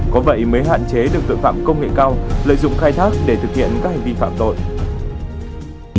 có vậy mới hạn chế được tội phạm công nghệ cao lợi dụng khai thác để thực hiện các hành vi phạm tội